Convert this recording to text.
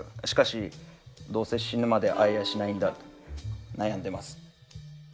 しかしどうせ死ぬまで逢えやしないんだと悩んでます。